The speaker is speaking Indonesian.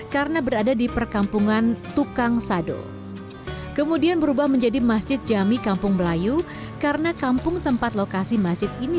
kemudian berubah menjadi masjid jamie kampung belayu karena kampung tempat lokasi masjid ini